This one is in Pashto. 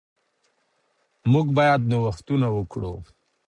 موږ باید نوښتونه وکړو.